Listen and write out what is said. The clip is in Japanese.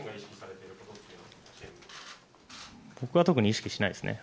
僕は特に意識していないですね。